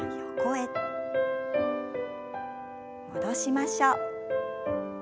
戻しましょう。